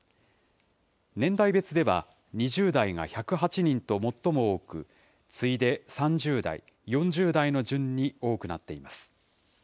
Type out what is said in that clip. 年代別では２０代が１０８人と最も多く、次いで３０代、４０代の順に多くなっています。